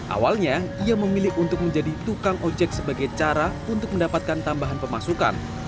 awalnya ia memilih untuk menjadi tukang ojek sebagai cara untuk mendapatkan tambahan pemasukan